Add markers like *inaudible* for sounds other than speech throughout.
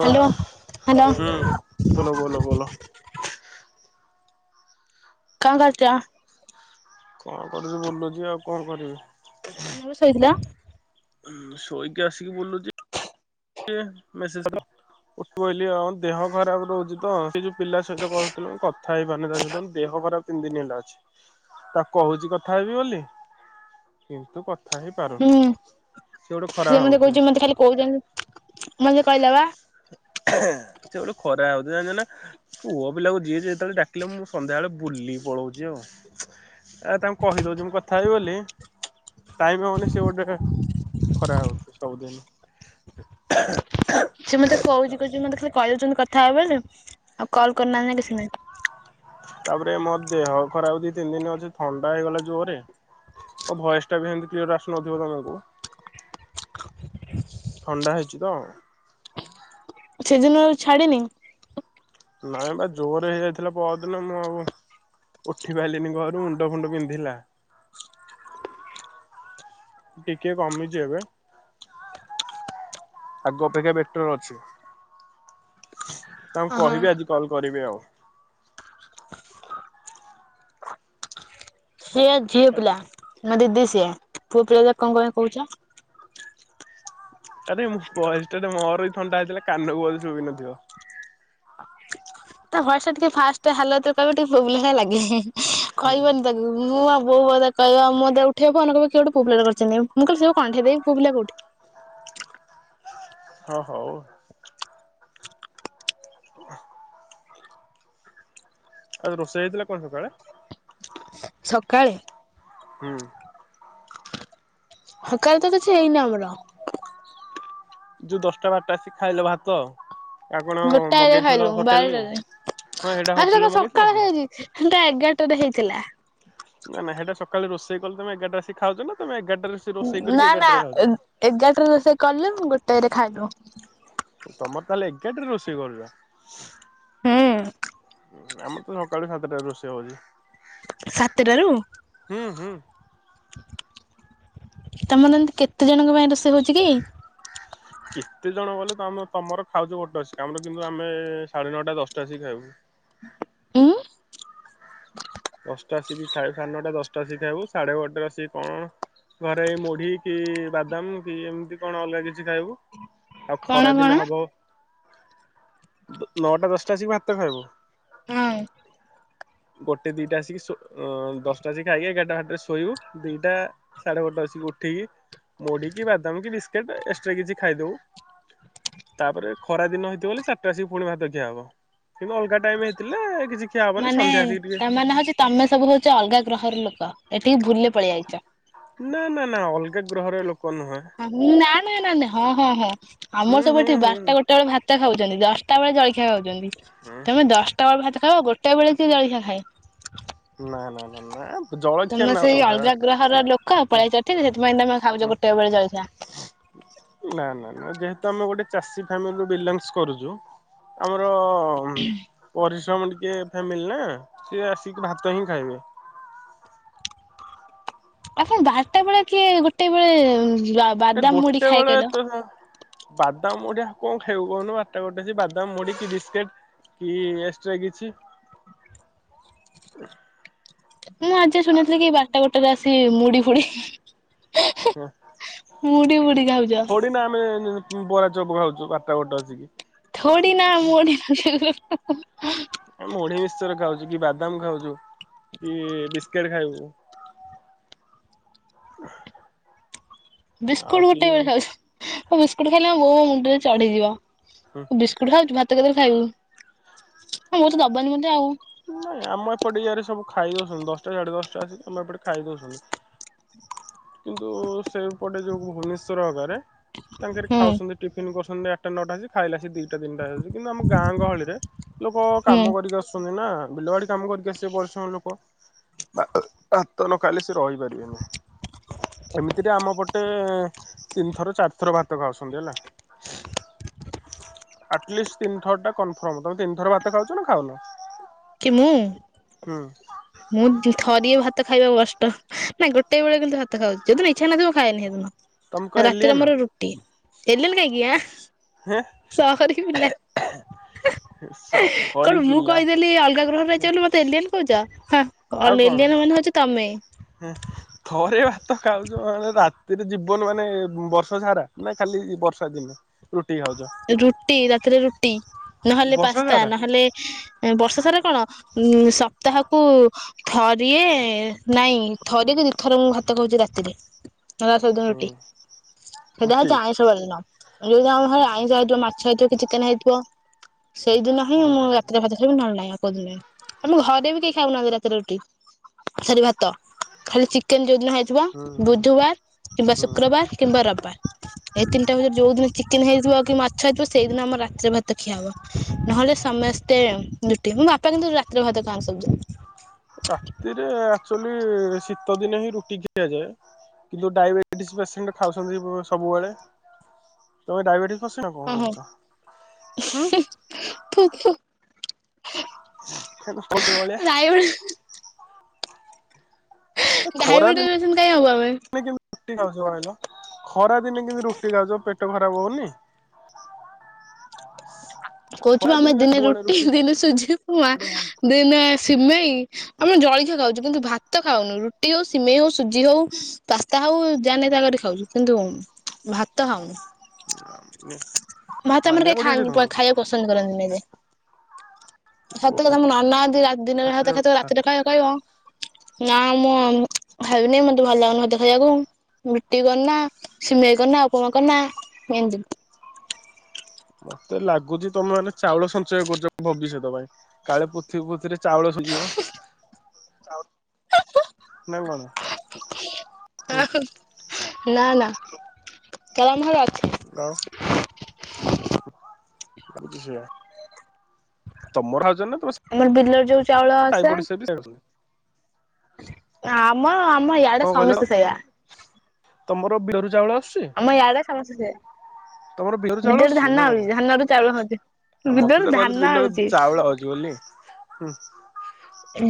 Hello hello ବୋଲ ବୋଲ ବୋଲ। କଣ କରୁଚ? କଣ କରିବି ବୁଲୁଚି ଆଉ କଣ କରିବି। ଏଇନେ ପା ଶୋଇଥିଲ? ଉଁ ଶୋଇକି ଆସିକି ବୁଲୁଚି। *unintelligible* *unintelligible* ଦେହ ଖରାପ ରହୁଚି ତ, ସେ ଯୋଉ ପିଲା ସହିତ କହୁଥିଲ ମୁଁ କଥା ହେଇପାରୁନି ତା ସହିତ ମୋ ଦେହ ଖରାପ୍ ତିନି ଦିନି ହେଲା ଅଛି। ତାକୁ କହୁଚି କଥା ହେବି ବୋଲି, କିନ୍ତୁ କ କଥା ହେଇପାରୁନି। ହୁଁ ସେ ଗୋଟେ ଖରାପ ଭାବୁଥିବ। କହୁଚନ୍ତି ମତେ କହିଲା ବା। ସେଗୋଟେ ଖରାପ୍ ଭାବୁଥିବ ଜାଣିଚ ନା। ପୁଅ ପିଲାକୁ ଯିଏ ଯେତେବେଳେ ଡାକିଲେ ମୁଁ ସନ୍ଧ୍ୟାବେଳେ ବୁଲିି ପଳଉଚି ଆଉ। ଏ ତାଙ୍କୁ କହିଦଉଛି ମୁଁ କଥା ହେବି ବୋଲି, ଟାଇମ୍ ହଉନି ସେ ଗୋଟେ ଖରାପ୍ ଭାବୁଥିବେ ସବୁଦିନ। *inaudible* ସେ ମତେ କହୁଚି କହୁଚି ମତେ ଖାଲି କହିଦଉଛନ୍ତି କଥା ହେବା ବୋଲି ଆଉ କଲ୍ କରୁନାହାନ୍ତି କିଛି ନାହିଁ। ତାପରେ ମୋ ଦେହ ଖରାପ୍ ଦି ତିନି ଦିନି ଅଛି, ଥଣ୍ଡା ହେଇଗଲା ଜୋରେ। ମୋ ଭଏସ୍ ଟା ବି ହେମତି କ୍ଲିଅର ଆସୁନଥିବ ତମକୁ। ଥଣ୍ଡା ହେଇଚି ତ। ସେଦିନରୁ ଆଉ ଛାଡିନି? ନାଇଁ ବା ଜୋରେ ହେଇଯାଇଥିଲା ପଅରଦିନ ମୁଁ ଆଉ ଉଠି ପାରିଲିନି ଘରୁ ମୁଣ୍ଡ ଫୁଣ୍ଡ ବିନ୍ଧିଲା। ଟିକେ କମିଚି ଏବେ। ଆଗ ଅପେକ୍ଷା ବେଟର ଅଛି। ତାଙ୍କୁ ଓହୋ କହିବି ଆଜି କଲ୍ କରିବେ ଆଉ। ସିଏ ଝିଅ ପିଲା ମୋ ଦିଦି ସିଏ। ପୁଅ ପିଲା ଯେ କଣ *unintelligible* କହୁଚ। ଆରେ ମୁଁ ଭଏସଟା ମୋର ବି ଥଣ୍ଡା ହେଇଥିଲା କାନକୁ ବୋଧେ ଶୁଭିନଥିବ। ତା ଭଏସଟା ଟିକେ ଫାଷ୍ଟ ହାଲତରେ କହିବ ଟିକେ ପୁଅ ପିଲା ଭଳି ଲାଗେ। କହିବନି ତାକୁ। ମୁଁ ଆଉ ବୋଉ ବଧେ କହିବ ମୁଁ ଯେତେବେଳେ ଉଠେଇବି ଫୋନ୍ କହିବ କିଏ ଗୋଟେ ପୁଅପିଲା କରିଚି ନେ। ମୁଁ କହିଲି ସେ ପା କଣ୍ଢେଇ ଦେଇ ପୁଅ ପିଲା କୋଉଠି। ହଁ ହଉ। ଉ। ଆଉ ରୋଷେଇ ହେଇଥିଲା କଣ ସକାଳେ? ସକାଳେ? ହୁଁ। ସକାଳେ ତ କିଛି ହେଇନି ଆମର। ଯୋଉ ଦଶଟା ବାରଟା ଆସିକି ଖାଇଲ ଭାତ ଆଉ କଣ ଗୋଟାଏରେ ମଗେଇଥିଲ ଖାଇଲୁ ହୋଟେଲରୁ ବାରଟାରେ ହଁ ସେଇଟା ଆରେ ଦେଖ ହୋଟେଲରୁ ମଗେଇଥିଲ କି ସକାଳ ଖାଇଛି। ହେନ୍ତା ଏଗାରଟାରେ ହେଇଥିଲା। ନା ନାଁ ହେଟା ସକାଳେ ରୋଷେଇ କଲେ ତମ ଏଗାରଟା ଆସିକ ଖାଉଛ ନା ତମ ଏଗାରଟାରେ ସେ ରୋଷେଇ କରିକି ନା ନା ଏଗାରଟାରେ ଖାଉଛ? ଏଗାରଟରେ ରୋଷେଇ କଲେ ଗୋଟେରେ ଖାଇଲୁ। ତମର ତାହେଲେ ଏଗାଟାରେ ରୋଷେଇ କରୁଛ। ହୁଁ ଆମର ତ ସକାଳୁ ସାତଟାରେ ରୋଷେଇ ହଉଛି। ସାତଟାରୁ? ହୁଁ ହୁଁ ତମର ଏମତି କେତେ ଜଣଙ୍କ ପାଇଁ ରୋଷେଇ ହଉଛି କି? କେତେ ଜଣ ବଲେ ତମେ ତମର ଖାଉଛ ଗୋଟେ ଆସିକି କାମର କିନ୍ତୁ ଆମେ ସାଢେ ନଅଟା ଦଶଟା ଆସିକି ଖାଇବୁ। ଉଁ? ଦଶଟା ଆସିକି ଖାଇୁ ସାଢେ ନଟା ଦଶଟାସିକି ଖାଇବୁ ସାଢେ ଗୋଟେରେ ଆସିକି କଣ ଘରେ ଏଇ ମୁଁଢି କି ବାଦାମ କି ଏମିତି କଣ ଅଲଗା କିଛି ଖାଇବୁ। ଆଉ କଣ ଖରା କଣ? ଦିନେ ହବ ନଅଟା ଦଶଟା ଆସିକି ଭାତ ଖାଇବୁ। ହଁ ଗୋଟେ ଦିଟା ଆସିକି ଦଶଟା ଆସିକି ଖାଇ ଏଗାରଟା ବାଟରେ ଶୋଇବୁ। ଦିଟା ସାଢେ ଗୋଟେ ଆସିକି ଉଠିକି ମୁଢ଼ି କି ବାଦାମ କି ବିସ୍କଟୀ ଏକ୍ସଟ୍ରା କିଛି ଖାଇଦବୁ। ତାପରେ ଖରା ଦିନ ହେଇଥିବ ବୋଲେ ଚାରିଟା ଆସିକି ପୁଣି ଭାତ ଖିଆ ହବ। କି ଅଲଗା ଟାଇମ ହେଇଥିଲା କିଛି ଖିଆ ହବନି ମାନେ ସନ୍ଧ୍ୟା ଆସିକି ଟିକେ ତାମାନେ ହଉଛି ତମେ ସବୁ ହଉଚ ଅଲଗା ଗ୍ରହର ଲୋକ। ଏଠିକି ଭୁଲରେ ପଳେଇ ଆଇଚ। ନା ନା ନା ଅଲଗା ଗ୍ରହରେ ଲୋକ ନୁହେ। ନା ନା ନା ନାଇଁ ହଁ ହଁ ହଁ ଆମର ହୁଁ ସବୁ ହୁଁ ଏଠି ହୁଁ ହୁଁ ବାରଟା ଗୋଟେ ବଳେ ଭାତ ଖାଉଛନ୍ତି ଦଶଟା ବେଳେ ଜଳଖିଆ ଖାଉଛନ୍ତି। ତମ ଦଶଟା *unintelligible* ବେଳେ ଭାତ ଖାଏ ଆଉ ଗୋଟା ବେଳେ ଯିଏ ଜାଳିଖିଆ ଖାଏ? ନା ନା ନା ନା ଜଳଖିଆ ତମେ ନା ସେଇ ଗୋଟେ ଅଲଗା ଗ୍ରହର ଲୋକ ପଳେଇ ଆଇଚ ଏଠିକି ସେଥିପାଇଁ ତମେ ଖାଉଛ ଗୋଟେ ଟା ବେଳେ ଜଳଖିଆ। ନା ନା ନା ଯେହେତୁ ଆମେ ଗୋଟେ ଚାଷୀ ଫାମିଲିରୁ ବିଲଙ୍ଗସ କରୁଛୁ। ଆମର ପରିଶ୍ରମ ଟିକେ ଫ୍ୟାମିଲି ନା ସିଏ ଆସି କି ଭାତ ହିଁ ଖାଇବେ। ଆଛା ବାରଟା ବେଳେ କିଏ ଗୋଟେ ବେଳେ ଏ ବାଦାମ ଗୋଟେ ମୁଢ଼ି ଖାଏ ବେଳେ ତ କହିଲ? ବାଦାମ ମୁଡ଼ି ଆଉ କଣ ଖାଇବୁ କହୁନ ବାରଟା ଗୋଟେ ସିକି ବାଦାମ ମୁଢ଼ୀ କି ବିସ୍କେଟ କି ଏକ୍ସଟ୍ରା କିଛି। ମୁଁ ଆଜି ଶୁଣିଥିଲି କି ବାରଟା ଗୋଟରେ ଆସି ମୁଡି ଫୁଡି। ହଁ ମୁଡି ବୁଡି ଖାଉଛି। ଥୋଡି ନା ଆମେ ବରା ଚପ ଖାଉଛୁ ବାରଟା ଗୋଟେ ଆସିକି। ଥୋଡ଼ି ନା ମୋଡ଼ି ଆ ମୁଡି ମିକ୍ସଚର ଖାଉଛୁ କି ବାଦାମ ଖାଉଛୁ କି ବିସ୍କିଟ ଖାଇବୁ। ବିସ୍କୁଟ ଆଉ କି ଗୋଟେ ବେଳେ ଖାଉଚୂ ବିସ୍କୁଟ ଖାଇଲେ ବୋଉ ମୋ ମୁଣ୍ଡରେ ଚଢିଯିବ। ବିସ୍କୁଟ ଟ ଖାଉଛୁ ଭାତ କେତେବେଳେ ଖାଇବୁ ବୋଉ ତ ଦବନି ମୋତେ ଆଉ ନାଇଁ ଆମ ଏପଟେ ଇଆରେ ସବୁ ଖାଇ ଦଉଛନ୍ତି ଦଶଟା ସାଢେ ଦଶଟା ଆସିକି ଆମ ଏପଟେ ଖାଇ ଦଉଛନ୍ତି। କିନ୍ତୁ ସେପଟେ ଯୋଉ ଭୁବନେଶ୍ଵର ଆକରେ। ତାଙ୍କର ହୁଁ ଖାଉଛନ୍ତି ଟିଫିନ କରୁଛନ୍ତି ଆଠଟା ନଅଟା ଆସିକି ଖାଇଲା ଆସିକି ଦିଟା ତିନଟା ହେଇଯାଉଛି କିନ୍ତୁ ଆମ ଗାଁ ଗହଳିରେ ଲୋକ ହୁଁ କାମ କରିକି ଆସୁଛନ୍ତି ନା ବିଲବାଡି କାମ କରିକି ଆସିବେ ପରିଶ୍ରମ ଲୋକ। ଭାତ ଭାତ ନଖାଇଲେ ସେ ରହିପାରିବେନି। ଏମିତିରେ ଆମ ପଟେ ତିନିଥର ଚାରିଥର ଭାତ ଖାଉଛନ୍ତି ହେଲା। ଆଟଲିଷ୍ଟ ତିନି ଥର ଟା କନଫର୍ମ ତମେ ତିନିଥର ଭାତ ଖାଉଛ ନା ଖାଉନ? କି ମୁୁଁ? ହଁ। ମୁଁ ଥରିଏ ଭାତ ଖାଇବାକୁ କଷ୍ଟ ନା ଗୋଟେ ବେଳେ କିନ୍ତୁ ଭାତ ଖାଉଛି ଯୋଉଦିନ ଇଚ୍ଛା ନଥିବ ଖାଏନି ତମେ କଣ ସେଦିନ। ରାତିରେ ଏଲିଏନ ମୋର ରୁଟି ଏଲେଲ କାଇକି ଆ। ହେଁ ସ କରିକି ପିଲା ସହରୀ କଣ ମୁଁ ପିଲା କହିଦେଲି ଅଲଗା ଘ୍ *inaudible* ମତେ ଏଲିଏନ କହୁଛ ହଁ ଏଲିଏନ ମାନେ ହଉଛ ତମେ। ହଁ ଥରେ ଏ ଭାତ ଖାଉଛ ମାନେ ରା ସେଟ ଜୀବନ ମାନେ ବର୍ଷ ସାରା ନା ଖାଲି ବର୍ଷା ଦିନେ ରୁଟି ଖାଉଛ? ରୁଟି ରାତିରେ ରୁଟି ନହେଲେ ବର୍ଷା ପାସ୍ତା ଯାର ନହେଲେ ବର୍ଷା ସାରା କଣ ଉ ସପ୍ତାହକୁ ଥରିଏ ନାଇଁ ଥରିଏ ଦି ଥର ମୁଁ ଭାତ ଖାଉଛି ରାତିରେ। *inaudible* ରୁଟି ହୁଁ ସେଟା ରୁଟି ହଉଛି ଆଇଁଷ ବାର ଦିନ ନହେଲେ ଆମ ଘରେ। ଆଇଁଷ ହେଇଥିବ ମାଛ ହେଇଥିବ କି ଚିକେନ ହେଇଥିବ ସେଇ ଦିନ ହିଁ ହୁଁ ମୁଁ ରା ରାତିରେ ଭାତ ଖାଇବୁ ନହେଲେ ନାଇ ଆଉ କୋଉଦିନ ନୁହେଁ ଆମେ ଘରେ ବି କେହି ଖାଉନାହାନ୍ତି ରାତିରେ ରୁଟି। ସରି ଭାତ ଖାଲି ଚିକେନ ଯୋଉଦିନ ହେଇଥିବ ହୁଁ ହୁଁ ବୁଧବାର କିମ୍ବା ହୁଁ। ଶୁକ୍ରବାର କିମ୍ବା ରବବାର୍ ଏଇ ତିନିଟା ଭିତରେ ଯୋଉ ଦିନ ଚିକେନ ହେଇଯାଇଥିବ କି ମାଛ ହେଇଥିବ ସେଇଦିନ ଆମର ରାତିରେ ଭାତ ଖିଆହବ ନହେଲେ ସମସ୍ତେ ମୋ ବାପା କିନ୍ତୁ ରାତିରେ ଭାତ ଖାଆନ୍ତି ସବୁଯାକ। ରାତିରେ ଆକଚୁଆଲି ଶୀତ ଦିନ ହିଁ ରୁଟି ଖିଆଯାଏ। ଯୋଉ ଡାଇବେଟିସ ପେସେଣ୍ଟ ଖାଉଛନ୍ତି ସବୁବେଳେ ତମେ ଡାଇବେଟିସ୍ ହସିନା କଣ ଓହୋ କହୁଛ ହୁଁ। ଖିଁ ଖିଁ। ଗଲି ଭଳିଆ। ଡାଇବେଟି ଖରା ଡାଇବେଟିସ କାଇଁ ହବୁ ଆମେ ଦିନେ କେମତୀ? ରୁଟି ଖାଉଛ କହିଲ ଖରା ଦିନେ କେମିତି ରୁଟି ଖାଉଛ ପେଟ ଖରାପ ହଉନି। କହୁଛି ପା ଆମେ ଦିନେ ରୁଟି ଦିନେ ସୁଜି ଉପମା ଦିନେ ସିମେଇ। ଆମେ ଜଳଖିଆ ଖାଉଛୁ କିନ୍ତୁ ଭାତ ଖାଉନୁ ରୁଟି ହଉ ସିମେଇ ହଉ ସୁଜି ହଉ। ପାସ୍ତା ହଉ ଯାନାଇ ତା କରି ଖାଉଛିୁ କିନ୍ତୁ ଭାତ ତ ହଁ ଖାଉନୁ ଆମର କେହି ମାନିବାକୁ ପଡିବ ଯେ ଖାଆନ୍ତି ତମକୁ। ଖାଇବାକୁ ପସନ୍ଦ କରନ୍ତି ନାଇ କେବେ? ସତ କଥା ମୋ ନନା ଯଦି ଦିନରେ ଭାତ ଖାଇଥିବ କଥା ରାତିରେ ଖାଇବାକୁ କହିବ? ନା ମୁଁ ଖାଇବିନି ମତେ ଭଲ ଲାଗୁନି ମତେ ଖାଇବାକୁ ରୁଟି ବନା। ସିମେଇ କରନା ଉପମା କରନା ଏମିତି ମତେ ଲାଗୁଛି ତମେମାନେ ଚାଉଳ ସଞ୍ଚୟ କରୁଛ ଭବିଷ୍ୟତ ପାଇଁ? କାଳେ ପୁଥ ପୁଥିବିରେ ଚାଉଳ ସରିଯିବ ନାଁ କଣ? ନା ନା କାରାମ ହେରା ଅଛି। ଆଉ ଆଚ୍ଛା। ତମର ଆଉଛ ନା ତମ ଆମର ବିଲର ଯୋଉ ଚାଉଳ ଆସେ ସାଇପଡିଶା ବି ଯାଉଛ? ଆମ ଆମ ୟଆଡେ ସମସ୍ତେ ସେଇଆ। ତମର ବେରୁ ଚାଉଳ। ଆମ ଏୟଡେ ସମସ୍ତେ ସେଇଆ। ତର ଭେରୁ ଚାଉଳ ବିଲରେ ଧାନ ନା କଣ? ହଉଛି ଧାନରୁ ଚାଉଳ ହଉଛି। ଆଉ ବିଲରେ ମତେ ତ ଧାନ କହିଲେ ବିଲରୁ ହଉଛି ଚାଉଳ ଅଉଛି ବୋଲି।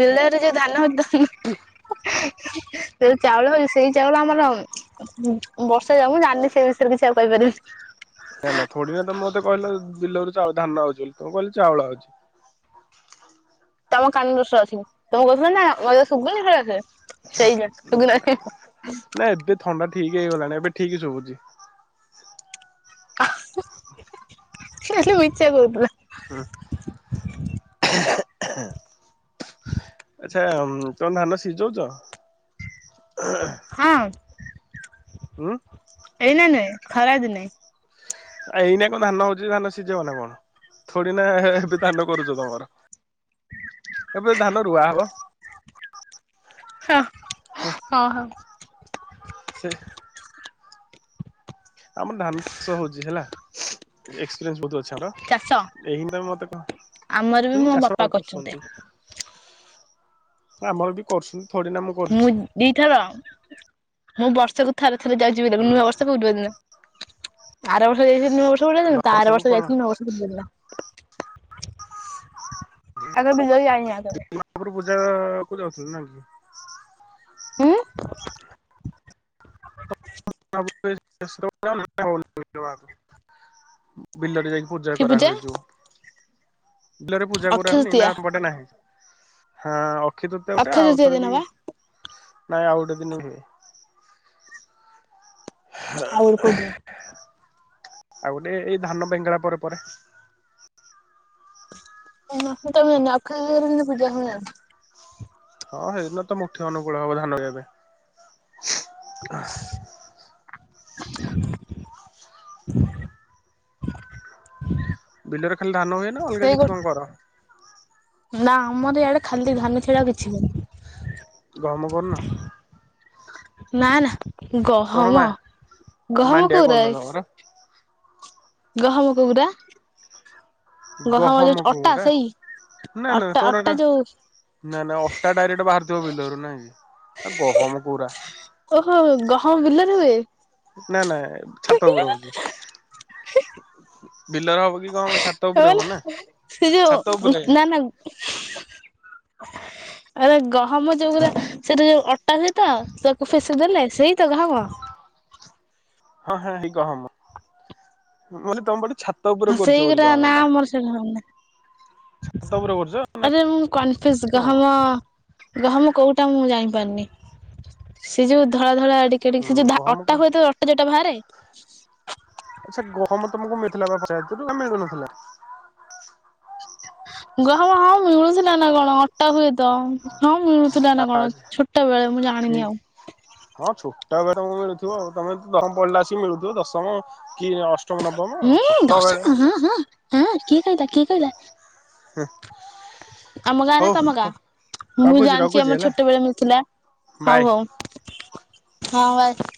ବିଲରେ ଯୋଉ ଧାନ *unintelligible* ସେଇ ଚାଉଳ ସେଇ ଚାଉଳ ଆମର ବର୍ଷା ଯାଉ ମୁଁ ଜାଣିନି ସେଇ ବିଷୟରେ କିଛି ଆଉ କହିପାରିବି ନା ନା ଥୋଡି ନା ତମେ ମତେ କହିଲ ବିଲରୁ ଚାଉ ଧାନ ଆଉଛି ବୋଲି ତମେ କହିଲି ଚାଉଳ ଆଉଛି। ତମ କାନ ଦୋଷ ଅସି ତମେ କହୁଥିଲା ନା ମୋତେ ସୁଗୁନୀ ଭଲ ସେ। ସେଇ ନା ନା ସୁଗଲାନି ନା *unintelligible* ନା ଏବେ ଥଣ୍ଡା ଠିକ ହେଇଗଲାଣି ଏବେ ଠିକ ସବୁଛି। ଅ ହ ଖାଲି ମିଛ କହୁଥିଵ। ହୁଁ। ଆଚ୍ଛା ତମ ଧାନ ସିଝଉଛ। ହଁ। ହୁଁ। ଏଇ ନା ନାଇ ଖରା ଦିନେ। ଆ ଏଇନା କଣ ଧାନ ହଉଛି ଧାନ ସିଝିବ ନା କଣ ଥୋଡି ନା ଏବେ ଧାନ କରୁଛ ତମର? ଏବେ ଧାନ ରୁଆ ହବ। ହ ହଁ ହଁ। ସେ ଆମର ଧାନ ଚାଷ ହଉଛି ହେଲା। ଏକ୍ସପିରିଏନସ ବହୁତ ଅଛି ମୋର ଚାଷ ଏହିନ ମତେ କ ଆମର ବି ମୋ ବାପା କରୁଛନ୍ତି। ଆମର ବି କରୁଛନ୍ତି ଥୋଡି ନା ମୁଁ କରୁଛି। ଦି ଥର ମୁଁ ବର୍ଷକୁ ଥରେ ଥରେ ଯାଉଛି ବୋଲି ନୂଆ ବର୍ଷ ପୂର୍ବ ଦିନ। ଆର ବର୍ଷ ଯାଇଥିଲ ନୂଆର୍ଷ ପୂର୍ବ ଦିନ ତା ହୁଁ ଆର ସବୁ ବର୍ଷ କଣ ଯାଇଥିଲି ନୁଆ ବର୍ଷ ପୂର୍ବ ଦିନ। ଆଗର ବିଲଲ ଯାଇଣିି ଆ ତ *unintelligible* ତାପରୁ ପୂଜା କୁ ଯାଉଥିଲେ ନା କି? ହୁଁ। *unintelligible* ବିଲରେ ଯାଇକି ପୂଜା କରା ହୁଏ ଯୁ ବିଲରେ ପୂଜା କରା ଅକ୍ଷୟ ହୁଏନି ନା ତୃତୀୟା ଆମ୍ ପଟେ ନାହିଁ। ହଁ ଅକ୍ଷିତୃତୀୟା ଗୋଟେ ଅକ୍ଷୟ ତୃତୀୟା ଆଉଥରେ ଦିନ ବି ବା ନାଇଁ ଆଉ ଗୋଟେ ଦିନ ହୁଏ। ଆଉ ଗୋଟେ କୋଉ ଦିନ। ଆଉ ଗୋଟେ ଏଇ ଧାନ ବେଙ୍ଗଳା ପରେ ପରେ। *unintelligible* ତ ଅକ୍ଷ ପୂଜା ହୁଏ ଜାଣିଛି ହଁ ସେଇଦିନ ତ ମୁଠି ଅନୁକୂଳ ହବ ଧାନ ରୁଇବା ପାଇ। ବିଲରେ ଖାଲି ଧାନ ହୁଏ ନା ଅଲଗା ସେଇ କିଛି ଗୋଟେ କଣ କର? ନା ଆମର ଇଆଡେ ଖାଲି ଧାନ ଛଡା କିଛି ହୁଏନି ଗହମ କରୁନ? ନା ନା ତମର ମା ଗହମ ଗହମ ମାଣ୍ଡିଆ କୋଉରା କରୁନ ତମର ଗହମ କୋଉରା? ଗହମ ଯୋଉ ଅଟା ସେଇ ଅଟା ଅଟା ଯୋଉ ନାଇଁ ନାଇ ଅଟା ଡାଇରେକ୍ଟ ବାହାରିଥିବ ବିଲରୁ ନାଇଁ କି ନା ଗହମ କୁରା। ଓହୋ ଗହମ ବିଲରେ ହୁଏ। ନା ନା ଛାତ ଓପରେ ରହୁଚି। ବିଲର ହବ କି କଣ ଛାତ ଉପରେ ମାନେ ହବ ନା ସେ ଛାତ ଯୋଉ ଉପରେ ନା ନା *inaudible* ଆରେ ଗହମ ଯୋଉାରା ସେଟା ଯୋଉ ଅଟାରେ ତ ତାକୁ ଫେସେଇ ଦେଲେ ସେଇ ତ ଗହମ। ହଁ ହଁ ସେଇ ଗହମ। ମୁଁ କହିଲି ତମ ପଟେ ଛାତ ଉପରେ କରୁଚ ବୋଲି ସେଇଗୁରା ଗହମଟା। *unintelligible* ଛାତ ଉପରେ କରୁଚ? ଆରେ ମୁଁ କନଫ୍ୟୁଜ ଗହମ, ଗହମ କୋଉଟା ମୁଁ ଜାଣିପାରୁନି। ସେ ଯୋଉ ଧଳା ଧଳା ଏଡିକି ଏଡିକ ସେ ହୁଁ ଯୋଉ ଧା ଗହମ ଅଟା ହୁଏ ତ ଅଟା, ଅଟା ଯୋଉଟା ବାହାରେ। ଆଚ୍ଛା ଗହମ ତମକୁ ମିଳିଥିଲା ପା ପଞ୍ଚାୟତରୁ ନା ମିଳୁନଥିଲା। ଗହମ ହଁ ମିଳୁଥିଲା ନା କଣ ଅଟା ହୁଏ ତ। ହଁ ମିଳୁଥିଲା ନା କଣ ଛୋଟବେେଳେ ମୁଁ ଠିକ ଜାଣିନି ଆଉ। ହଁ ଛୋଟା ବେବେ ତମକୁ ମିଳୁଥିବ ଆଉ। ତମେ ନବମ ପଡିଲାସିକି ମିଳୁଥିବ ଦଶମ କି ଅ ଉଁ ଦଶମ ହଁ ହଁଁ ହେଁ କିଏ କହିଲା କିଏ କହିଲା? ହୁଁ। ଆମ ଗାଁ ନା ତମ ଗାଁ ମୁଁ ଜାଣିଚି ରଖୁଛି ଆମର ହେଲା ଛୋଟବେେଳେ ମିଳୁଥିଲା ବାଏ। ହୋଉ ହୋଉ। ହଁ ଭାଇ।